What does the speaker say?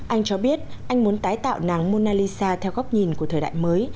anh cho biết anh muốn tái tạo nắng mona lisa theo góc nhìn của thời đại mới